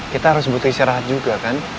kita harus butuh istirahat juga kan